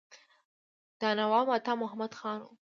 دا نواب عطا محمد خان وو.